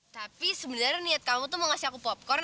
tapi sebenarnya niat kamu tuh mau ngasih aku popcor